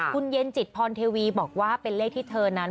คุณเย็นจิตพรเทวีบอกว่าเป็นเลขที่เธอนั้น